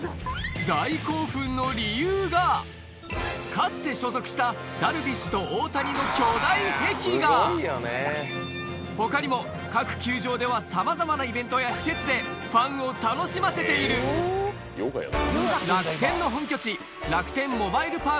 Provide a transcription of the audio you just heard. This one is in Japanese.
かつて所属した他にも各球場ではさまざまなイベントや施設でファンを楽しませているあぁいいですね。